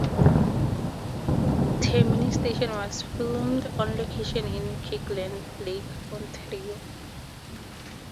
Termini Station was filmed on location in Kirkland Lake Ontario.